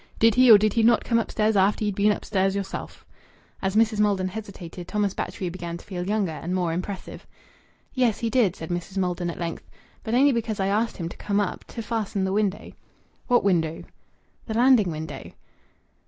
"Did he or did he not come upstairs after ye'd been upstairs yourself?" As Mrs. Maldon hesitated, Thomas Batchgrew began to feel younger and more impressive. "Yes, he did," said Mrs. Maldon at length. "But only because I asked him to come up to fasten the window." "What window?" "The landing window."